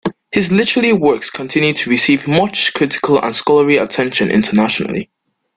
His literary works continue to receive much critical and scholarly attention internationally.